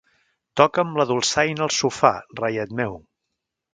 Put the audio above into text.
Toca'm la dolçaina al sofà, reiet meu.